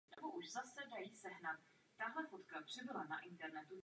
Rozumíme vám.